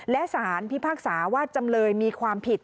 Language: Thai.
และสารพิพากษาว่าจำเลยมีความผิด